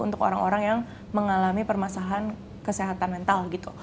untuk orang orang yang mengalami permasalahan kesehatan mental gitu